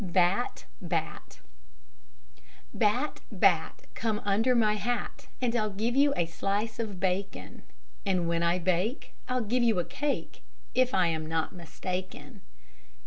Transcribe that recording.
BAT, BAT Bat, bat, Come under my hat, And I'll give you a slice of bacon; And when I bake I'll give you a cake If I am not mistaken.